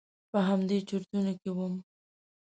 په همدې چرتونو کې وم.